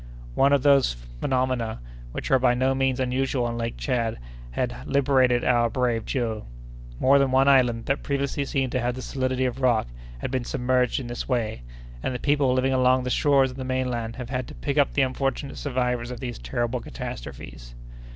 One of those phenomena, which are by no means unusual on Lake Tchad, had liberated our brave Joe. More than one island, that previously seemed to have the solidity of rock, has been submerged in this way; and the people living along the shores of the mainland have had to pick up the unfortunate survivors of these terrible catastrophes.